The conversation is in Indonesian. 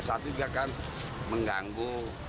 saat itu juga kan mengganggu